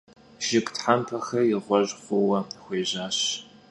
Jjıg thempexeri ğuej xhuue xuêjaş.